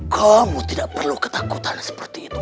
kamu tidak perlu ketakutan seperti itu